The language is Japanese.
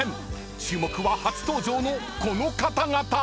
［注目は初登場のこの方々］